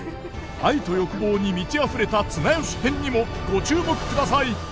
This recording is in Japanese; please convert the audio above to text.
愛と欲望に満ちあふれた綱吉編にもご注目下さい。